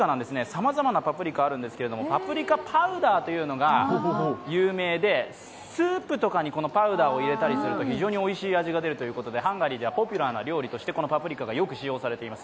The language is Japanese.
さまざまなパプリカがあるんですがパプリカパウダーっていうのが有名でスープとかにこのパウダーを入れたりとかすると、非常においしい味が出るということでハンガリーではポピュラーな食べ物としてこのパプリカがよく使用されています。